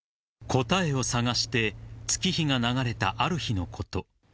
［答えを探して月日が流れたある日のこと］